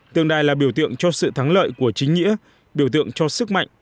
tượng đài là biểu tượng cho sự thắng lợi của chính nghĩa biểu tượng cho sức mạnh